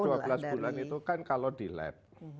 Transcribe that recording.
jadi dua belas bulan itu kan kalau di lab